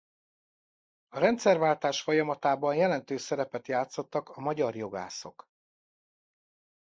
A rendszerváltás folyamatában jelentős szerepet játszottak a magyar jogászok.